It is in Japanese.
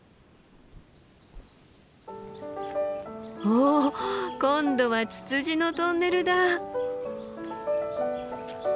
おっ今度はツツジのトンネルだ。